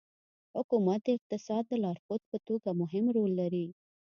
حکومت د اقتصاد د لارښود په توګه مهم رول لري.